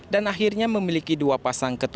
dan akhirnya memiliki peristiwa yang berbeda